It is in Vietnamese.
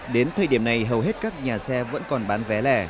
đến thời điểm này hầu hết các nhà xe vẫn còn bán vé lẻ